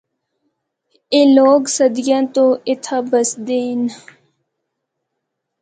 اے لوگ صدیاں تو اِتھا بسے دے ہن۔